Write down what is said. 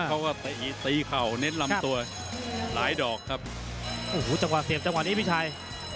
เขาก็ตีตีเข่าเน้นลำตัวหลายดอกครับโอ้โหจังหวะเสียบจังหวะนี้พี่ชัย